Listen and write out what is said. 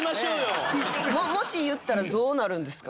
もし言ったらどうなるんですか？